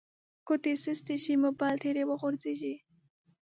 ګوتې سستې شي موبایل ترې وغورځیږي